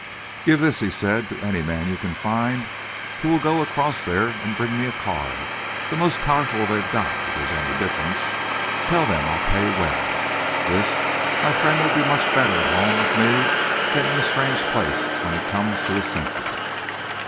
"Give this," he said, "to any man you can find who will go across there and bring me a car the most powerful they've got, if there's any difference. Tell them I'll pay well. This my friend will be much better at home with me than in a strange place when he comes to his senses."